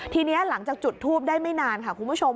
ทีนี้หลังจากจุดทูปได้ไม่นานค่ะคุณผู้ชม